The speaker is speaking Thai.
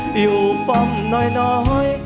อยู่ป้อมน้อย